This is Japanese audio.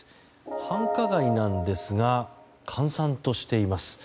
繁華街なんですが閑散としています。